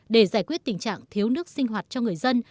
để giải quyết tình trạng thiếu nước sinh hoạt cho người dân